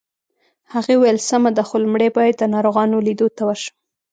هغې وویل: سمه ده، خو لومړی باید د ناروغانو لیدو ته ورشم.